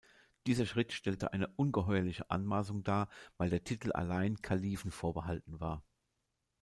Dieser Schritt stellte eine ungeheuerliche Anmaßung dar, weil der Titel allein Kalifen vorbehalten war.